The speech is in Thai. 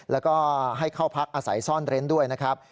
แล้วก็ให้เข้าพักอาศัยซ่อนเร้นด้วยนะครับ